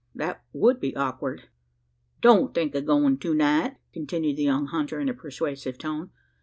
"That would be awkward." "Don't think o' goin' to night," continued the young hunter in a persuasive tone.